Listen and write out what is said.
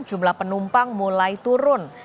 jumlah penumpang mulai turun